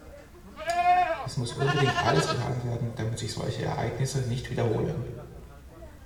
Es muss unbedingt alles getan werden, damit sich solche Ereignisse nicht wiederholen.